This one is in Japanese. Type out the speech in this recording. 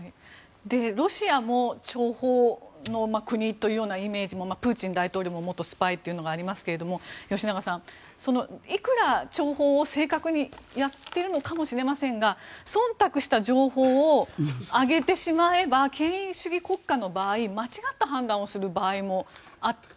ロシアも諜報の国というイメージもプーチン大統領も元スパイというのがありますが吉永さん、いくら諜報を正確にやっているのかもしれませんがそんたくした情報を上げてしまえば権威主義国家の場合間違った判断をする場合もあって。